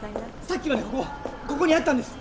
さっきまでここここにあったんです